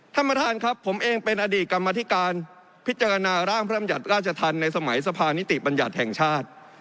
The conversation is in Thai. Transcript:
ท่านประธานครับผมเองเป็นอดีตกรรมธิการพิจารณาร่างพระรำยัติราชธรรมในสมัยสภานิติบัญญัติแห่งชาติ